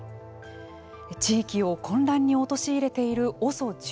地域を混乱に陥れているＯＳＯ１８。